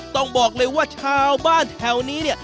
ต้องบอกเลยว่าชาวบ้านแถวนี้เนี่ย